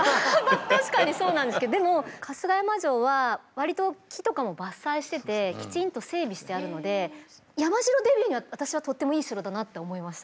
確かにそうなんですけどでも春日山城は割と木とかも伐採しててきちんと整備してあるので山城デビューには私はとってもいい城だなって思いました。